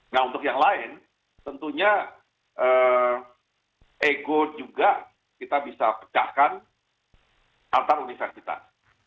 nah untuk yang lain tentunya ego juga kita bisa pecahkan antar universitas